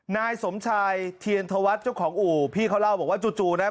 นายสมชายเทียนธวัฒน์เจ้าของอู่พี่เขาเล่าบอกว่าจู่จู่นะ